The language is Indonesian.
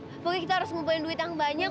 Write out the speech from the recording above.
pokoknya kita harus ngumpulin duit yang banyak